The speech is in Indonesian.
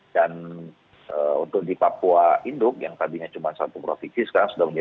dan untuk di papua induk yang tadinya cuma satu provinsi sekarang sudah mendatang